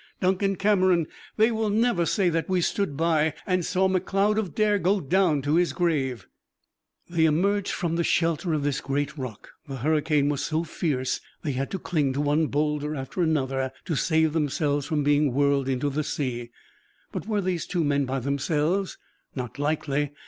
Duncan Cameron, they will never say that we stood by and saw Macleod of Dare go down to his grave!" They emerged from the shelter of this great rock; the hurricane was so fierce that they had to cling to one bowlder after another to save themselves from being whirled into the sea. But were these two men by themselves? Not likely!